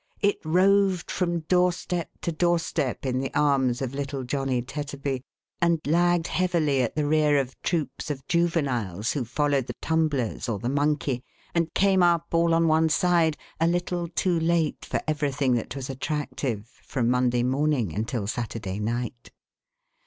It roved from door step to door step, in the arms of little Johnny Tetterby, and lagged heavily at the rear of troops of juve niles who fol lowed the Tumblers or the Monkey, and came up, all on one side, a little too late for everything that was attractive, from Monday morning until Saturday night.